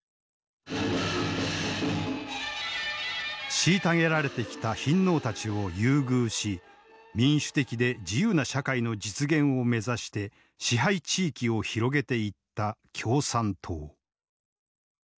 虐げられてきた貧農たちを優遇し民主的で自由な社会の実現を目指して支配地域を広げていった共産党。